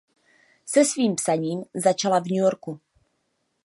Se svým psaním začala v New Yorku.